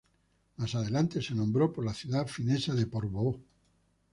Más adelante se nombró por la ciudad finesa de Porvoo.